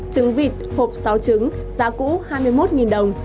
trứng vịt hộp sáo trứng giá cũ hai mươi một đồng